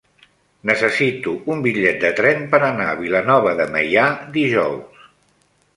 Necessito un bitllet de tren per anar a Vilanova de Meià dijous.